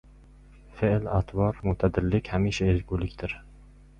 Fe’l-atvorda mo‘tadillik hamisha ezgulikdir.